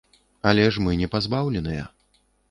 Але ж мы не пазбаўленыя.